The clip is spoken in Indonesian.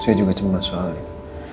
saya juga cemang soalnya